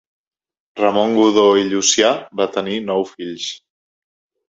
Ramon Godó i Llucià va tenir nou fills.